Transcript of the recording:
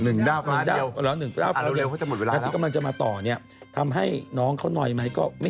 นะครับผมไม่รู้จะพูดยังไงกับข่าวนี้